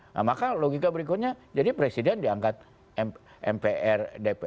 nah maka logika berikutnya jadi presiden diangkat mpr dpr